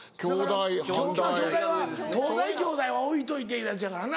東大京大は置いといていうやつやからな。